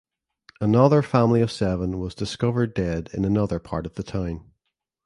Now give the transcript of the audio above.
Another family of seven was discovered dead in another part of the town.